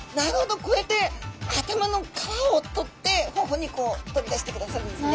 こうやって頭の皮を取ってほほ肉を取り出してくださるんですね。